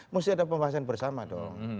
mesti ada pembahasan bersama dong